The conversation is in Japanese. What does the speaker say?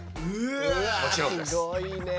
すごいね。